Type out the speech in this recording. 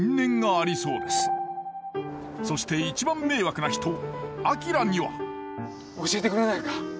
そして一番迷惑な人明には教えてくれないか？